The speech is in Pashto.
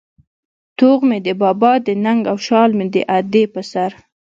توغ مې د بابا د ننگ او شال مې د ادې په سر